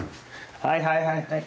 はいはいはいはい。